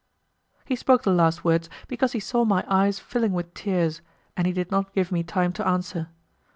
He spoke the last words because he saw my eyes filling with tears, and he did not give me time to answer.